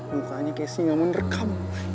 mukanya kayak si ngamon rekam